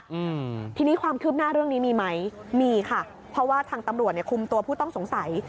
อืมทีนี้ความคืบหน้าเรื่องนี้มีไหมมีค่ะเพราะว่าทางตำรวจเนี้ยคุมตัวผู้ต้องสงสัย